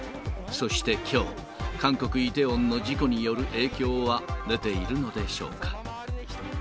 そしてきょう、韓国・イテウォンの事故による影響は出ているのでしょうか。